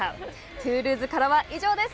トゥールーズからは、以上です。